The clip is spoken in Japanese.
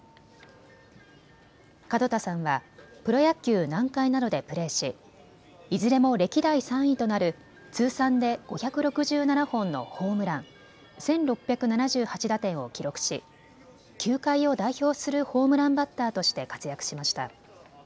門田さんはプロ野球・南海などでプレーしいずれも歴代３位となる通算で５６７本のホームラン、１６７８打点を記録し球界を代表するホームランバッターとして活躍しました。